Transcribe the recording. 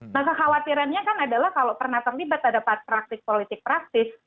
maka khawatirannya kan adalah kalau pernah terlibat pada praktik politik praktis